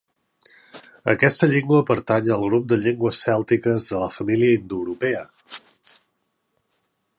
Aquesta llengua pertany al grup de llengües cèltiques de la família indoeuropea.